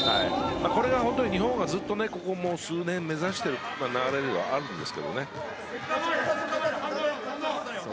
これが日本がここ数年目指している流れではあるんです。